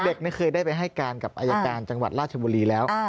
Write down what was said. เด็กไม่เคยได้ไปให้การกับอายการจังหวัดราชบุรีแล้ว